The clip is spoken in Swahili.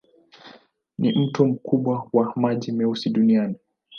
Ni mto mkubwa wa maji meusi duniani.